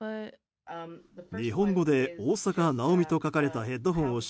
日本語で、大坂なおみと書かれたヘッドホンをし